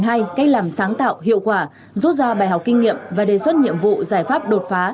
hay cách làm sáng tạo hiệu quả rút ra bài học kinh nghiệm và đề xuất nhiệm vụ giải pháp đột phá